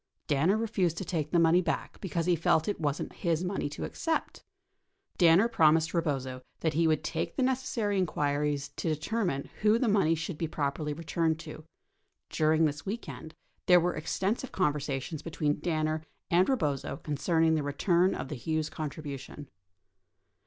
Danner refused to take the money back because he felt it wasn't his money to accept. Danner promised Eebozo that he would make the necessary inquiries to determine who the money should be properly returned to. During this weekend, there were extensive conversations between Danner and Eebozo concerning the return of the Hughes contribution.